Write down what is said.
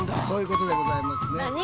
そういうことでございますね。